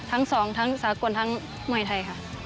ทั้งสองทั้งสากลทั้งมวยไทยค่ะ